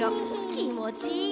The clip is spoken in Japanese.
きもちいい。